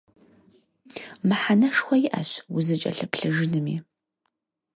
Мыхьэнэшхуэ иӀэщ узыкӀэлъыплъыжынми.